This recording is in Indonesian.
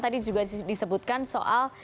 tadi juga disebutkan soal